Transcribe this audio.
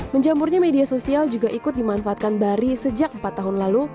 menjamurnya media sosial juga ikut dimanfaatkan bari sejak empat tahun lalu